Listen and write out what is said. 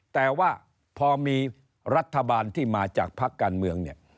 แต่ว่าพอมีรัฐบาลที่มาจากพักการเมืองเนี่ย